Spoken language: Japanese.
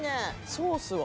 ソースは？